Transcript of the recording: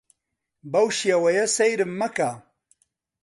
بەو شێوەیە سەیرم مەکە.